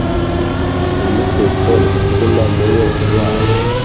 ntimukuke umutima mube intwari